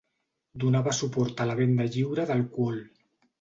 Donava suport a la venda lliure d'alcohol.